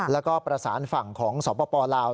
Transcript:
แล้วก็ประสานฝั่งของสปลาว